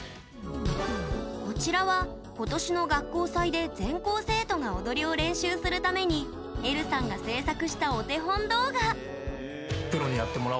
こちらは、今年の学校祭で全校生徒が踊りを練習するためにえるさんが制作した、お手本動画。